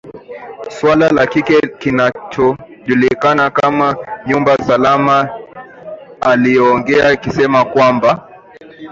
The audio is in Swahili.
suala la kile kinachojulikana kama nyumba salama aliongeza akisema kwamba